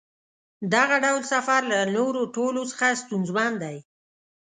دغه ډول سفر له نورو ټولو څخه ستونزمن دی.